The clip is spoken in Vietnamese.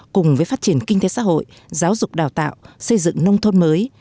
cùng với phát triển kinh tế xã hội giáo dục đào tạo xây dựng nông thôn mới